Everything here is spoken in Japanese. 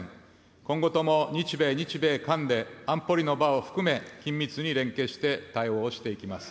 今後とも日米、日米韓で安保理の場を含め、緊密に連携して対応をしていきます。